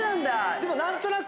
でもなんとなく。